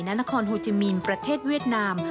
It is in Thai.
นครโฮจิมีนประเทศเวียดนาม